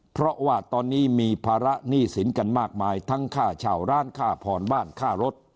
เพราะว่าตอนนี้มีภาระหนี้สินกันมากมายทั้งค่าเช่าร้านค่าผ่อนบ้านค่ารถ